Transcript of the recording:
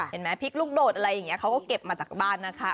พริกลูกโดดอะไรอย่างนี้เขาก็เก็บมาจากบ้านนะคะ